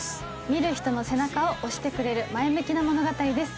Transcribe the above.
見る人の背中を押してくれる前向きな物語です